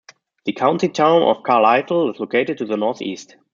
The county town of Carlisle is located to the north east.